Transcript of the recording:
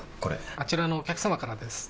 あちらのお客様からです。